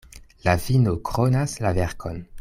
La fino kronas la verkon.